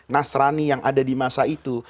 nasrani yang ada di masa itu